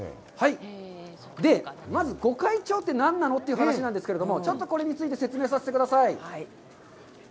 まずは御開帳って何なのというお話なんですが、ちょっとこれについて説明させてください。